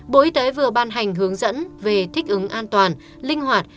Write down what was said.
bộ y tế vừa ban hành hướng dẫn về thích ứng an toàn linh hoạt